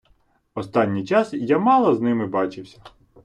Останній час я мало з ними бачився.